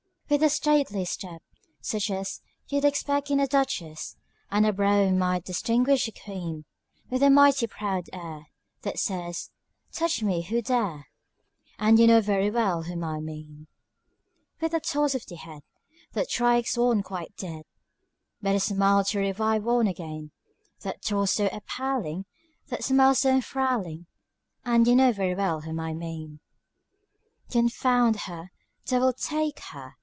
With a stately step such as You'd expect in a duchess And a brow might distinguish a queen, With a mighty proud air, That says "touch me who dare," And you know very well whom I mean. With a toss of the head That strikes one quite dead, But a smile to revive one again; That toss so appalling! That smile so enthralling! And you know very well whom I mean. Confound her! devil take her!